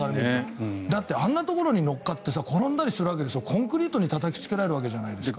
だってあんなところに乗っかってコンクリートにたたきつけられるわけじゃないですか。